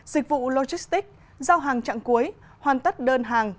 dịch vụ logistics giao hàng chặng cuối hoàn tất đơn hàng